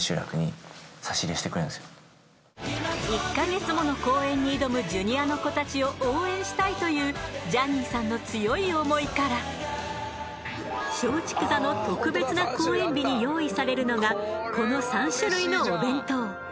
１ヵ月もの公演に挑むＪｒ．の子たちを応援したいというジャニーさんの強い想いから松竹座の特別な公演日に用意されるのがこの３種類のお弁当。